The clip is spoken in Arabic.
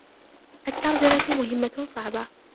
الترجمة مهمّة صعبة.